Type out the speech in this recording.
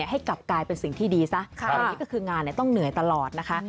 ให้กลับกลายเป็นสิ่งที่ดีซะอะไรอย่างนี้ก็คืองานต้องเหนื่อยตลอดนะคะ